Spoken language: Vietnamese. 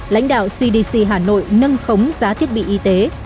lãnh đạo cdc hà nội nâng khống giá thiết bị y tế